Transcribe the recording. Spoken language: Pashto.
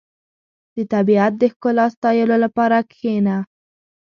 • د طبیعت د ښکلا ستایلو لپاره کښېنه.